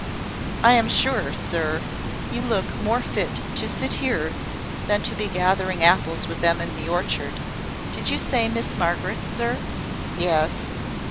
"I am sure, sir, you look more fit to sit here than to be gathering apples with them all in the orchard. Did you say Miss Margaret, sir?" "Yes."